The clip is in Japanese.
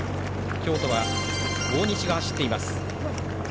京都は大西が走っています。